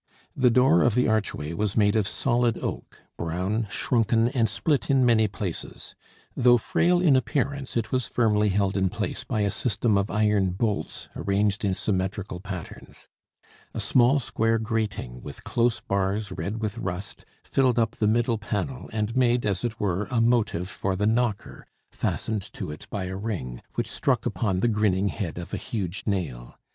The door of the archway was made of solid oak, brown, shrunken, and split in many places; though frail in appearance, it was firmly held in place by a system of iron bolts arranged in symmetrical patterns. A small square grating, with close bars red with rust, filled up the middle panel and made, as it were, a motive for the knocker, fastened to it by a ring, which struck upon the grinning head of a huge nail.